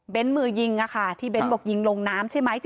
เบ้นท์มือยิงที่เบ้นท์บอกยิงลงน้ำใช่ไหม